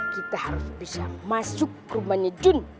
kita harus bisa masuk ke rumahnya jun